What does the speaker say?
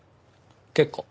結構。